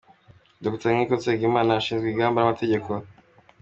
Dr. Nkiko Nsengimana, ashinzwe ingamba n’amategeko